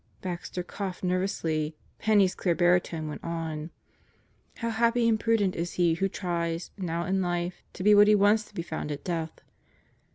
Baxter coughed nervously. Penney's clear baritone went on: "How happy and prudent is he who tries, now in life, to be what he wants to be found at death."